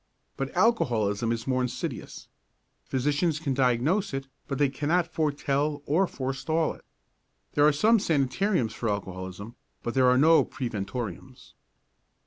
But alcoholism is more insidious. Physicians can diagnose it but they cannot foretell or forestall it. There are some sanitariums for alcoholism, but there are no preventoriums.